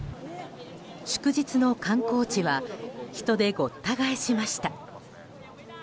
祝日の観光地は人でごった返しました。